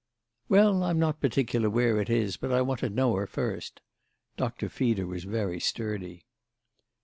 "Well, I'm not particular where it is; but I want to know her first." Doctor Feeder was very sturdy.